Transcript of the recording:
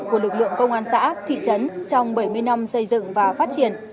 của lực lượng công an xã thị trấn trong bảy mươi năm xây dựng và phát triển